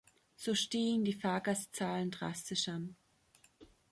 So stiegen die Fahrgastzahlen drastisch an.